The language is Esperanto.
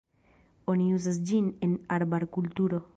Oni uzas ĝin en arbar-kulturo.